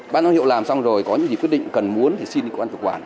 ban giám hiệu làm xong rồi có những gì quyết định cần muốn thì xin cơ quan chủ quản